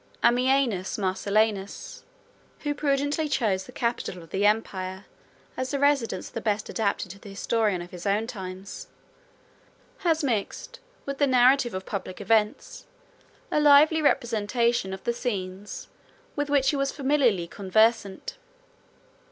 Ammianus Marcellinus, who prudently chose the capital of the empire as the residence the best adapted to the historian of his own times, has mixed with the narrative of public events a lively representation of the scenes with which he was familiarly conversant.